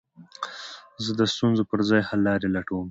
زه د ستونزو پر ځای، حللاري لټوم.